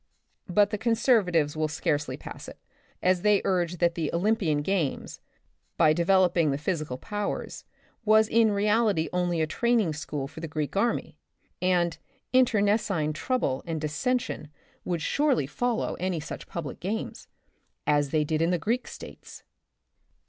But the conservatives will scarcely pass it, as they urge that the Olympian games, by developing the physical powers, was in reality only a training school for the Greek army, and internecine trouble and dissension would surely The Republic of the Future, 69 follow any such public games, as they did in the Greek states.